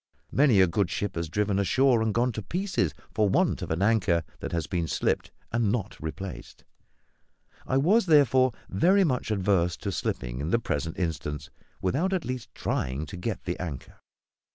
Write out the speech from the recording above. Many a good ship has driven ashore and gone to pieces for want of an anchor that has been slipped and not replaced; I was, therefore, very much averse to slipping in the present instance without at least trying to get the anchor.